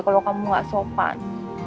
kalau kamu gak sopan